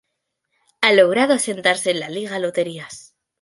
Ha logrado asentarse en la Liga Loterías.